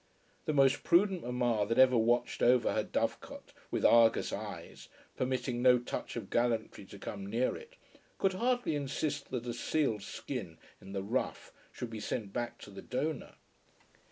The most prudent mamma that ever watched over her dovecote with Argus eyes, permitting no touch of gallantry to come near it, could hardly insist that a seal skin in the rough should be sent back to the donor.